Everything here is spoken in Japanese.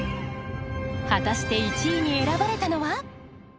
果たして１位に選ばれたのは。